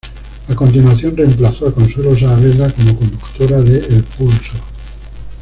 A continuación reemplazó a Consuelo Saavedra como conductora de "El pulso".